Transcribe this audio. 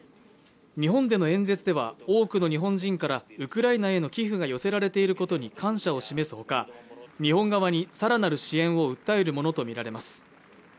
日本での演説では多くの日本人からウクライナへの寄付が寄せられていることに感謝を示すほか日本側にさらなる支援を訴えるものと見られます